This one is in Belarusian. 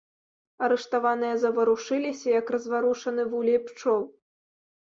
Арыштаваныя заварушыліся, як разварушаны вулей пчол.